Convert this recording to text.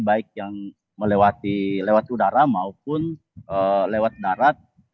baik yang lewat udara maupun lewat darat